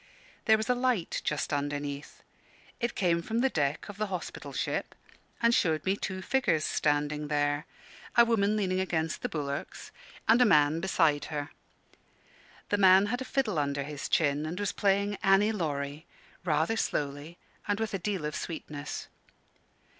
There was a light just underneath. It came from the deck of the hospital ship, and showed me two figures standing there a woman leaning against the bulwarks, and a man beside her. The man had a fiddle under his chin, and was playing "Annie Laurie," rather slowly and with a deal of sweetness.